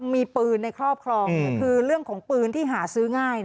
มีปืนในครอบครองคือเรื่องของปืนที่หาซื้อง่าย